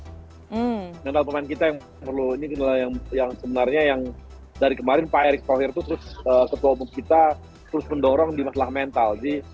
kenal pemain kita yang perlu ini kendala yang sebenarnya yang dari kemarin pak erick thohir itu terus ketua umum kita terus mendorong di masalah mental